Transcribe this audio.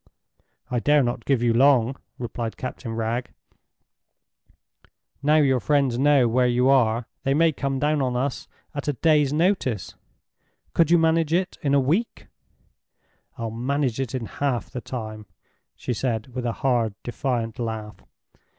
"I dare not give you long," replied Captain Wragge. "Now your friends know where you are, they may come down on us at a day's notice. Could you manage it in a week?" "I'll manage it in half the time," she said, with a hard, defiant laugh.